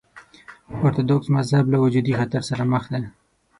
ارتوډوکس مذهب له وجودي خطر سره مخ دی.